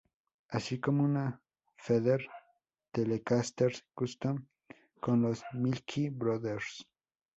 Así como una Fender Telecaster Custom con los Milky Brothers.